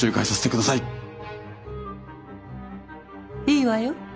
いいわよ。